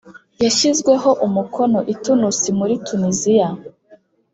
yashyizweho umukono i tunis muri muri tuniziya